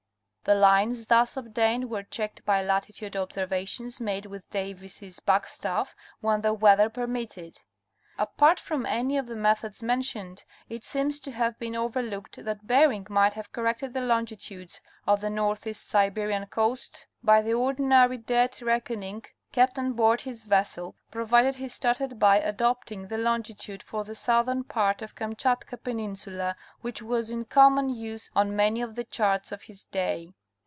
The lines thus obtained were checked by latitude observa tions made with Davis' backstaff when the weather permitted. Apart from any of the methods mentioned it seems to have been overlooked that Bering might have corrected the longitudes of the N.E. Siberian coast by the ordinary dead reckoning kept on board his vessel, provided he started by adopting the longitude for the southern part of Kamchatka peninsula which was in com mon use on many of the charts of his day.